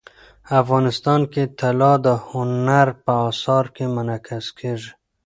افغانستان کې طلا د هنر په اثار کې منعکس کېږي.